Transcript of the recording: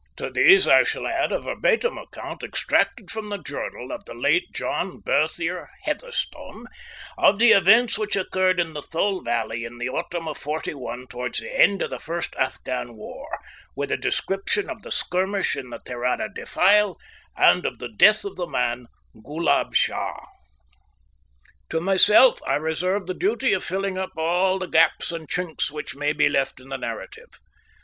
To these I shall add a verbatim account extracted from the journal of the late John Berthier Heatherstone, of the events which occurred in the Thul Valley in the autumn of '41 towards the end of the first Afghan War, with a description of the skirmish in the Terada defile, and of the death of the man Ghoolab Shah. To myself I reserve the duty of filling up all the gaps and chinks which may be left in the narrative.